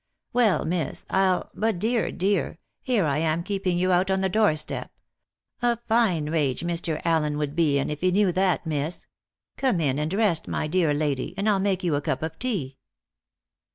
"Well, miss, I'll but, dear, dear! here I am keeping you out on the doorstep. A fine rage Mr. Allen would be in if he knew that, miss. Come in and rest, my dear lady, and I'll make you a cup of tea."